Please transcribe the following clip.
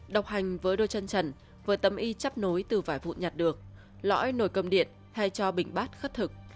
độc hành với đôi chân trần với tấm y chắp nối từ vài vụ nhặt được lõi nổi cầm điện hay cho bình bát khất thực